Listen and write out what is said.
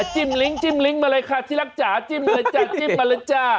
จิ้มลิ้งจิ้มลิ้งมาเลยค่ะที่รักจ๋าจิ้มเลยจ้ะจิ้มมาเลยจ้า